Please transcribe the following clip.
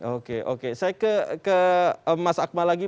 oke oke saya ke mas akmal lagi